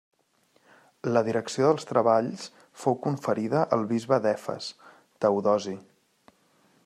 La direcció dels treballs fou conferida al bisbe d'Efes, Teodosi.